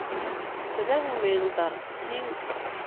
Беләһеңме, Илдар, һин...